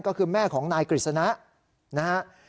ก็คือแม่ของนายกฤษณะนะฮะ